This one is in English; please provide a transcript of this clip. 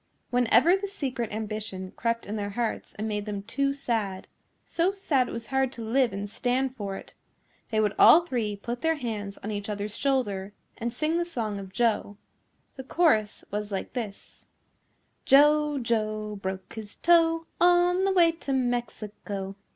Whenever the secret ambition crept in their hearts and made them too sad, so sad it was hard to live and stand for it, they would all three put their hands on each other's shoulder and sing the song of Joe. The chorus was like this: Joe, Joe, broke his toe, On the way to Mexico.